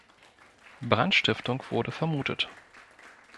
Brandstiftung wurde vermutet.